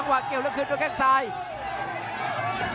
ต้องบอกว่าคนที่จะโชคกับคุณพลน้อยสภาพร่างกายมาต้องเกินร้อยครับ